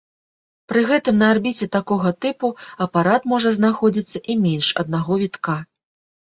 Пры гэтым на арбіце такога тыпу апарат можа знаходзіцца і менш аднаго вітка.